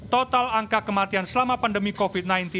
total angka kematian selama pandemi covid sembilan belas